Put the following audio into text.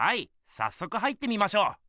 さっそく入ってみましょう。